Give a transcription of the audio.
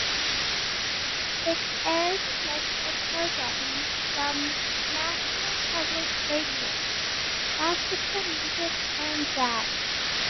It airs a mix of programming from National Public Radio, classical music and jazz.